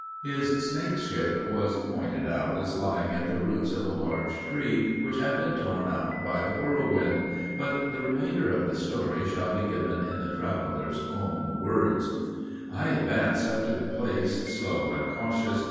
His snakeship was pointed out as lying at the roots of a large tree which had been torn up by a whirlwind. But the remainder of the story shall be given in the traveler's own words: I advanced up to the place slow and cautious.